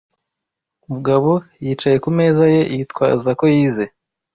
Mugabo yicaye ku meza ye, yitwaza ko yize.